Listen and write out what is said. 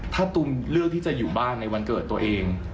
ถ้าตูมเลือกที่จะอยู่บ้านในวันเกิดตัวเอง